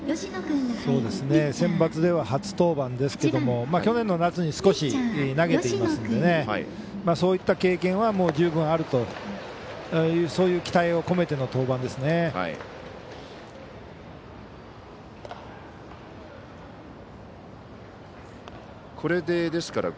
センバツでは初登板ですけども去年の夏に少し投げていますのでそういった経験は十分あるというそういう期待を込めての登板ですね。